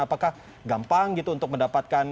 apakah gampang gitu untuk mendapatkan